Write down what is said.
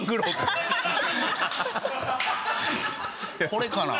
これかな？